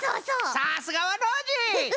さすがはノージー！